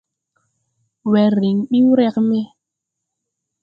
Wɛr rǐŋ ɓi wrɛg me.